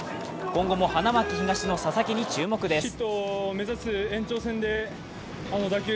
今後も花巻東の佐々木に注目です。